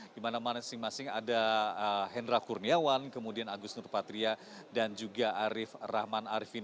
dimana masing masing ada hendra kurniawan kemudian agus nur patria dan juga arief rahman arifin